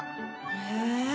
へえ。